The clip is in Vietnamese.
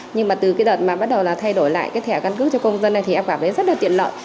nhưng mà từ cái đợt mà bắt đầu là thay đổi lại cái thẻ căn cước cho công dân này thì em cảm thấy rất là tiện lợi